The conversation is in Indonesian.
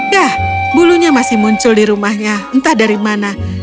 yah bulunya masih muncul di rumahnya entah dari mana